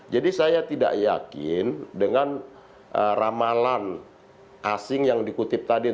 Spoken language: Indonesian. jadi saya tidak yakin dengan ramalan asing yang dikutip tadi